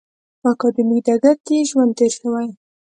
په اکاډمیک ډګر کې یې ژوند تېر شوی.